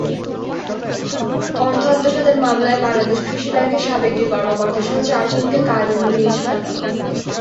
অর্থ আত্মসাতের মামলায় বাংলাদেশ কৃষি ব্যাংকের সাবেক দুই কর্মকর্তাসহ চারজনকে কারাদণ্ড দিয়েছেন আদালত।